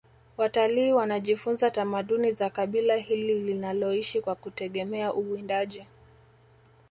watalii wanajifunza tamaduni za kabila hili linaloishi kwa kutegemea uwindaji